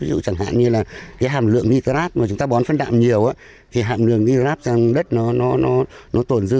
ví dụ chẳng hạn như là cái hàm lượng nitrat mà chúng ta bón phân đạm nhiều thì hàm lượng nitrat trong đất nó tồn dư